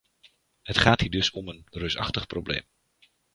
Het gaat hier dus om een reusachtig probleem.